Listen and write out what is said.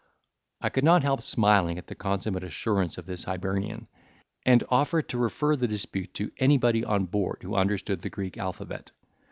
I could not help smiling at the consummate assurance of this Hibernian, and offered to refer the dispute to anybody on board who understood the Greek alphabet.